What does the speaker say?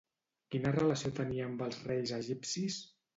Quina relació tenia amb els reis egipcis?